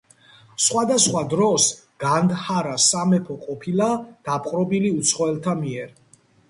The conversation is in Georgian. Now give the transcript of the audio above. სხვადასხვა დროს განდჰარას სამეფო ყოფილა დაპყრობილი უცხოელთა მიერ.